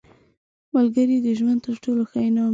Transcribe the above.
ملګری د ژوند تر ټولو ښه انعام دی